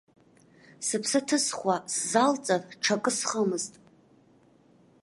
Сыԥсы ҭызхуа сзалҵыр, ҽакы схымызт.